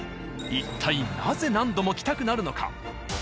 一体なぜ何度も来たくなるのか？